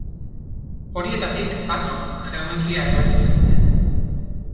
Horietatik batzuk geometria erabiltzen dute.